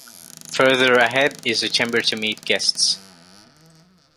Further ahead is a chamber to meet guests.